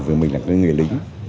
vì mình là người lính